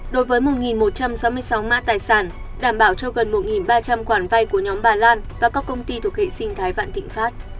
đối với một một trăm sáu mươi sáu mã tài sản đảm bảo cho gần một ba trăm linh khoản vay của nhóm bà lan và các công ty thuộc hệ sinh thái vạn thịnh pháp